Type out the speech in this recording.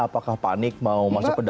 apakah panik mau masuk ke dalam